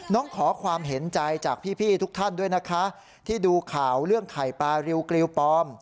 ขอความเห็นใจจากพี่ทุกท่านด้วยนะคะที่ดูข่าวเรื่องไข่ปลาริวกลิวปลอม